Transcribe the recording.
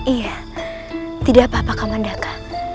iya tidak apa apa kaman daka